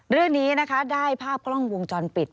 เรื่องนี้นะคะได้ภาพกล้องวงจรปิด